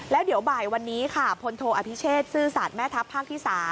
แล้วเดี๋ยวบ่ายวันนี้ค่ะพลโทอภิเชษซื่อสัตว์แม่ทัพภาคที่๓